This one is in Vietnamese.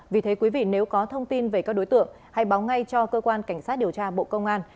vì thế quý vị nếu có thông tin về các đối tượng hãy báo ngay cho cơ quan cảnh sát điều tra bộ công an